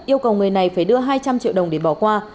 yêu cầu người này phải đưa hai trăm linh triệu đồng để bỏ qua